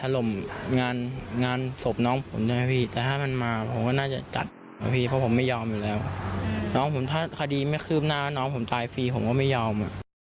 น้องผมถ้าคดีไม่คืบหน้าน้องผมตายฟรีผมก็ไม่ยอม